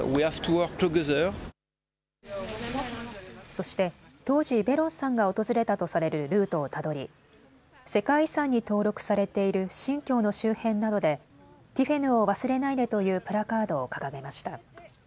そして当時ベロンさんが訪れたとされるルートをたどり世界遺産に登録されている神橋の周辺などでティフェヌを忘れないでというプラカードを掲げました。